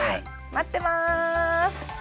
待ってます。